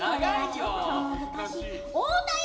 ちょっとむずかしい太田よ！